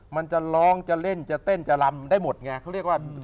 มันจะร้องจะเล่นจะเต้นจะลำได้หมดไงเขาเรียกว่า